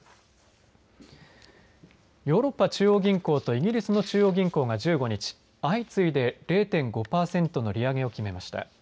ヨーロッパ中央銀行とイギリスの中央銀行が１５日相次いで０．５パーセントの利上げを決めました。